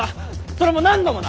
それも何度もだ。